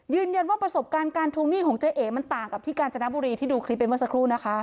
ยืนยันว่าประสบการณ์การทวงหนี้ของเจ๊เอ๋มันต่างกับที่กาญจนบุรีที่ดูคลิปไปเมื่อสักครู่นะคะ